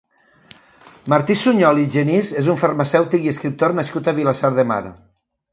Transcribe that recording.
Martí Sunyol i Genís és un farmacèutic i escriptor nascut a Vilassar de Mar.